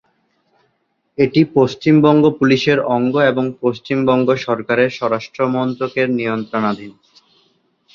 এটি পশ্চিমবঙ্গ পুলিশের অঙ্গ এবং পশ্চিমবঙ্গ সরকারের স্বরাষ্ট্র মন্ত্রকের নিয়ন্ত্রণাধীন।